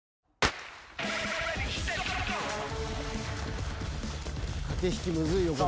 駆け引きむずいよこれ。